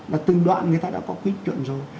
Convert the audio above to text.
nó tương đoạn người ta đã có quy chuẩn rồi